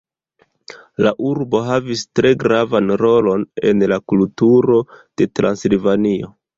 La urbo havis tre gravan rolon en la kulturo de Transilvanio.